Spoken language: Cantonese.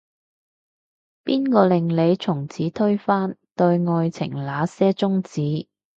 邊個令你從此推翻，對愛情那些宗旨